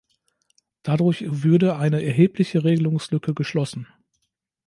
Dadurch würde eine erhebliche Regelungslücke geschlossen.